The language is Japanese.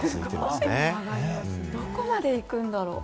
どこまで行くんだろう。